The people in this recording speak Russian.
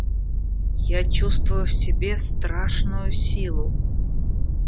Я чувствую в себе страшную силу.